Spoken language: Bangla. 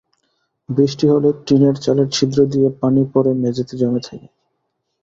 বৃষ্টি হলে টিনের চালের ছিদ্র দিয়ে পানি পড়ে মেঝেতে জমে থাকে।